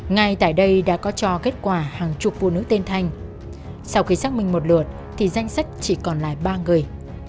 ngay tại đây đã có cho kết quả hàng chục phụ nữ tên thanh sau khi xác minh một lượt thì danh sách chỉ còn lại ba người